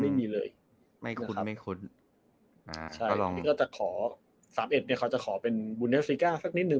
อันนี้ที่จะขอ๓๑จะขอเป็นบรูเดสติก้าสักนิดนึง